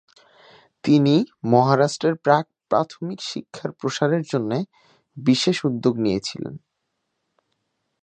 তিনি মহারাষ্ট্রের প্রাক প্রাথমিক শিক্ষার প্রসারের জন্যে বিশেষ উদ্যোগ নিয়েছিলেন।